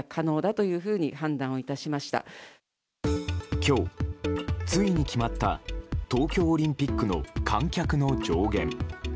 今日、ついに決まった東京オリンピックの観客の上限。